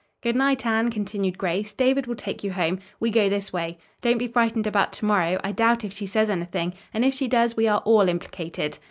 "Good night, Anne," continued Grace. "David will take you home. We go this way. Don't be frightened about to morrow. I doubt if she says anything; and if she does, we are all implicated."